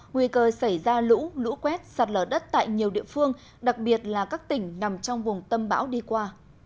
nguy cơ xảy ra lũ lũ quét sạt lở đất tại nhiều địa phương đặc biệt là các tỉnh nằm trong vùng tâm bão đi qua